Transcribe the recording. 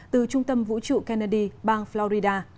từ trung tâm vũ trụ kennedy bang florida